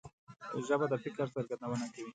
ژبه د فکر څرګندونه کوي